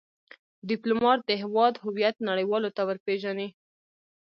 ډيپلومات د هیواد هویت نړېوالو ته ور پېژني.